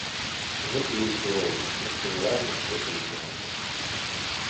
Гэта і ўсё роўна, таму што няважна, хто калі пераможа.